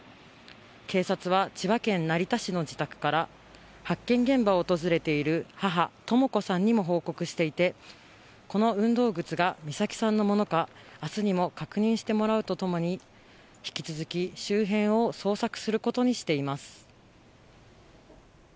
警察は千葉県成田市の自宅から発見現場を訪れている母とも子さんにも報告していてこの運動靴が美咲さんのものか明日にも確認してもらうとともに引き続き周辺を捜索することにしています。